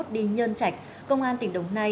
đi nhân chạch công an tỉnh đồng nai